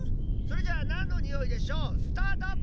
それじゃあ「なんのにおいでショ」スタート！